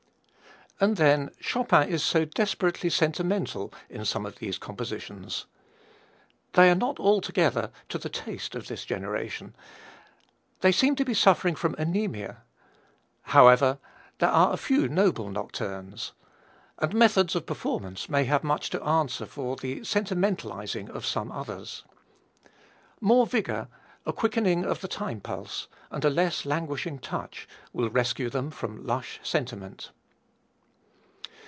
And, then, Chopin is so desperately sentimental in some of these compositions. They are not altogether to the taste of this generation; they seem to be suffering from anaemia. However, there are a few noble nocturnes; and methods of performance may have much to answer for the sentimentalizing of some others. More vigor, a quickening of the time pulse, and a less languishing touch will rescue them from lush sentiment.